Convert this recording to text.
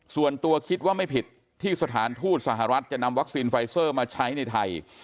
ส่วนตัวคิดว่าไม่ผิดที่สถานทูตสหรัฐจะนำวัคซีนไฟเซอร์มาใช้ในไทย